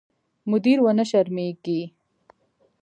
مدیر ونه شرمېږي.